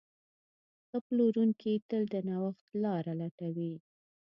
ښه پلورونکی تل د نوښت لاره لټوي.